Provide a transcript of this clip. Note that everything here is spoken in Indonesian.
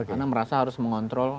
karena merasa harus mengontrol jawaban